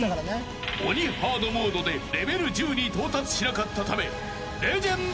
［鬼ハードモードでレベル１０に到達しなかったため］